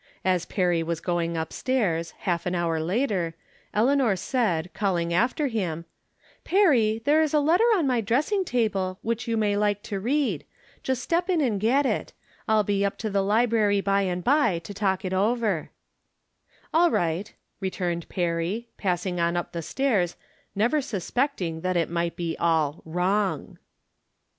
As Perry was going up stairs, half an hour later, Eleanor said, calling after him :" Perry, there is a letter on my dressing table which you may like to read. Just step in and get it. I'll be up to the library by and by to talk it over." " All right," returned Perry, passing on up the stairs, never suspecting that it might be all wrong.